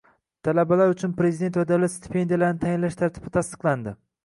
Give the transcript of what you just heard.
Talabalar uchun Prezident va davlat stipendiyalarini tayinlash tartibi tasdiqlanding